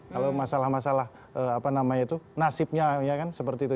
kalau masalah masalah nasibnya seperti itu